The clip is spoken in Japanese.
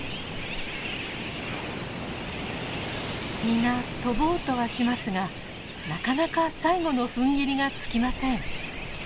皆飛ぼうとはしますがなかなか最後のふんぎりがつきません。